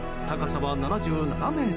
高さは７７ｍ。